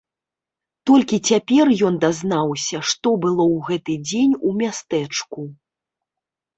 Толькі цяпер ён дазнаўся, што было ў гэты дзень у мястэчку.